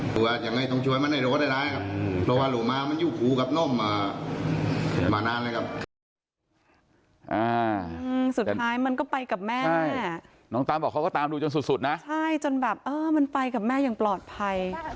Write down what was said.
ซึ่งกับตามไปดูแต่มันก็ไม่มีอาการที่ว่าจะไปนอกนามมันก็เลยไปกับแมมครับ